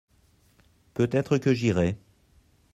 peut-être que j'irai.